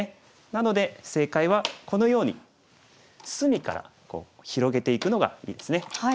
なので正解はこのように隅から広げていくのがいいですね。